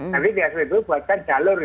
tapi di asli itu buatkan jalur